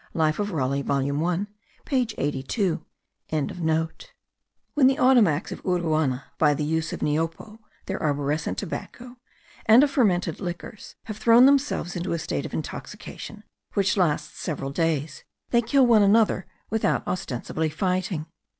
Life of Raleigh volume 1 page 82.) When the Ottomacs of Uruana, by the use of niopo (their arborescent tobacco), and of fermented liquors, have thrown themselves into a state of intoxication, which lasts several days, they kill one another without ostensibly fighting.